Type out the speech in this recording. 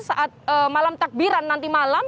saat malam takbiran nanti malam